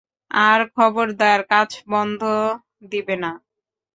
আর খবরদার কাজ বন্ধ দিবে না।